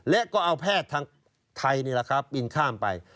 และก็เอาแพทย์ทางไทยปินข้ามไป